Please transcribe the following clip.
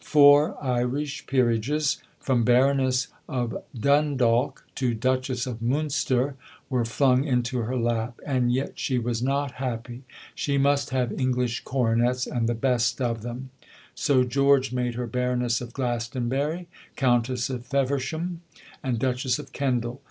Four Irish Peerages, from Baroness of Dundalk to Duchess of Munster, were flung into her lap. And yet she was not happy. She must have English coronets, and the best of them. So George made her Baroness of Glastonbury, Countess of Feversham, and Duchess of Kendal.